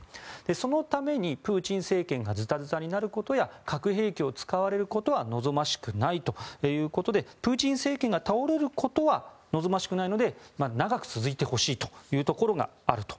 そのためにプーチン政権がズタズタになることや核兵器を使われることは望ましくないということでプーチン政権が倒れることは望ましくないので長く続いてほしいというところがあると。